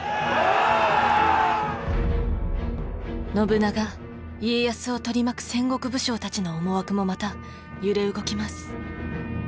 信長家康を取り巻く戦国武将たちの思惑もまた揺れ動きます。